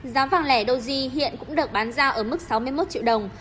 giá vàng lẻ doji hiện cũng được bán giao ở mức sáu mươi một triệu đồng